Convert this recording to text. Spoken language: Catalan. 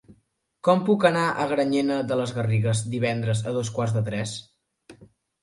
Com puc anar a Granyena de les Garrigues divendres a dos quarts de tres?